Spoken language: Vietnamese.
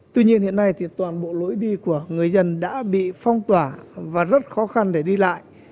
tuy nhiên hiện nay toàn bộ lối đi của người dân đã bị phong tỏa và rất khó khăn để đi lại